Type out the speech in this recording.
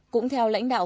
cũng theo lãnh đạo